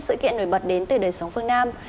sự kiện nổi bật đến từ đời sống phương nam